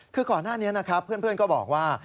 คือข้อหน้านี้เพื่อนก็บอกว่า